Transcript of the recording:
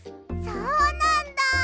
そうなんだ。